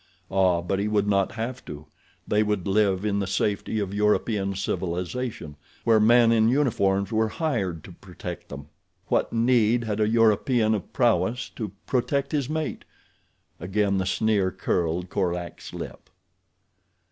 Ah, but he would not have to. They would live in the safety of European civilization, where men in uniforms were hired to protect them. What need had a European of prowess to protect his mate? Again the sneer curled Korak's lip.